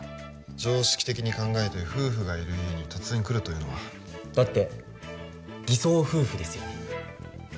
常識的に考えて夫婦がいる家に突然来るというのはだって偽装夫婦ですよね